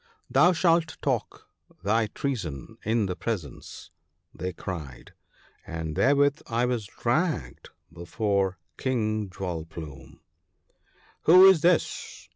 'Thou shalt talk thy treason in the presence/ they war. 93 cried ; and therewith I was dragged before King Jewel plume. ' Who is this